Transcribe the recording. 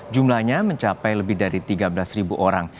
jumlahnya mencapai lebih dari tiga belas orang